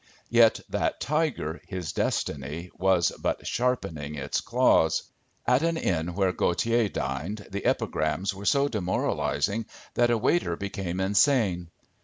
Yet that tiger, his destiny, was but sharpening its claws. At an inn where Gautier dined, the epigrams were so demoralising that a waiter became insane.